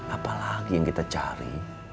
apa lagi yang kita cari